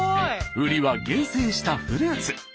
売りは厳選したフルーツ。